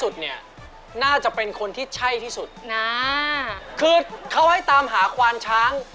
เขาเหมือนผูกพันกับม้ามากกว่าช้าง